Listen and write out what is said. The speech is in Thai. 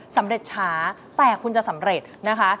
สำเร็จช้าแต่คุณจะสำเร็จนะคะ